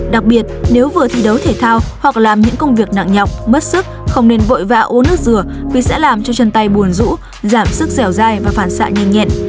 đặc biệt nếu vừa thi đấu thể thao hoặc làm những công việc nặng nhọc mất sức không nên vội vã u nước dừa vì sẽ làm cho chân tay buồn rũ giảm sức dẻo dai và phản xạ nhanh nhẹn